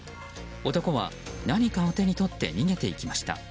男は何かを手に取って逃げていきました。